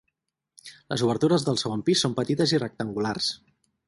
Les obertures del segon pis són petites i rectangulars.